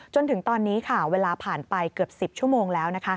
จนถึงตอนนี้เวลาผ่านไปเกือบ๑๐ชั่วโมงแล้ว